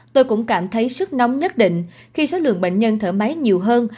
tôi cũng cảm thấy sức nóng nhất định khi số lượng bệnh nhân thở máy nhiều hơn